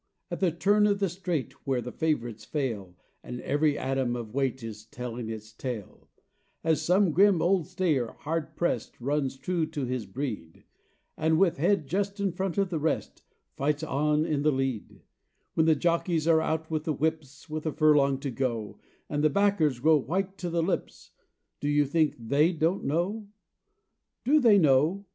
At the turn to the straight Where the favourites fail, And every atom of weight Is telling its tale; As some grim old stayer hard pressed Runs true to his breed, And with head just in front of the rest Fights on in the lead; When the jockeys are out with the whips, With a furlong to go; And the backers grow white to the lips Do you think THEY don't know? Do they know?